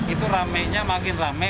itu ramainya makin rame